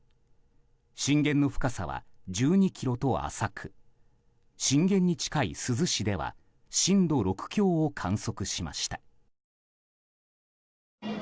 震源の深さは１２ｋｍと浅く震源に近い珠洲市では震度６強を観測しました。